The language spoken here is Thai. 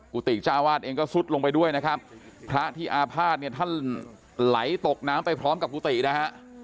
กติเจ้าวาดเองก็ซุดลงไปด้วยนะครับพระที่อาภาษณ์เนี่ยท่านไหลตกน้ำไปพร้อมกับกุฏินะฮะ